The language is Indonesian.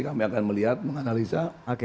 kami akan melihat menganalisa